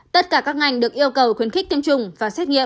tất cả các ngành được yêu cầu khuyến khích tiêm chủng và xét nghiệm